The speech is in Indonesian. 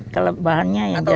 kalau bahannya yang jelas